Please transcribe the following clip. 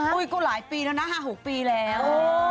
ก็หลายปีแล้วนะ๕๖ปีแล้ว